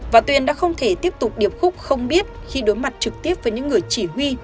và tuyên đã không thể tiếp tục điệp khúc không biết khi đối mặt trực tiếp với những người chỉ huy